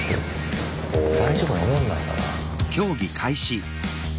大丈夫なもんなんだな。